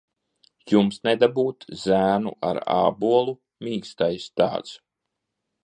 "Jums nedabūt "Zēnu ar ābolu", mīkstais tāds!"